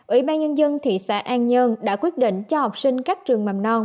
ủy ban nhân dân thị xã an nhơn đã quyết định cho học sinh các trường mầm non